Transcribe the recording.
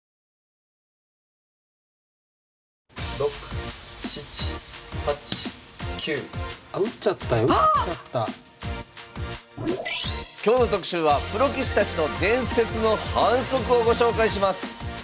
今日の特集はプロ棋士たちの伝説の反則をご紹介します